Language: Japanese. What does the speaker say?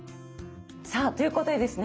さあということでですね